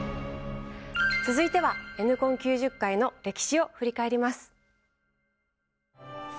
続いてはＮコン９０回の歴史を振り返ります。